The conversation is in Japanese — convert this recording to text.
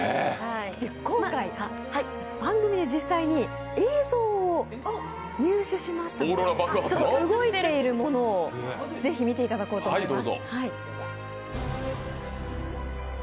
今回、番組で実際に映像を入手しましたので、動いているものを是非見ていただこうと思います。